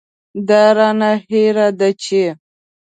دا رانه هېره ده چې.